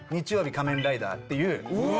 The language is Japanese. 『仮面ライダー』っていう。